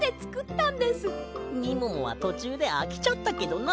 みももはとちゅうであきちゃったけどな。